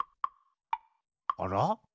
あら？